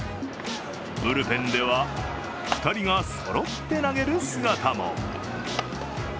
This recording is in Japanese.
ブルペンでは２人がそろって投げる姿も。